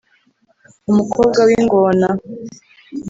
Umukobwa w’ingona